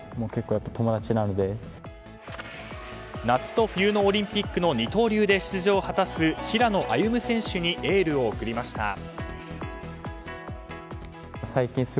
夏と冬のオリンピックの二刀流で出場を果たす平野歩夢選手にエールを送りました。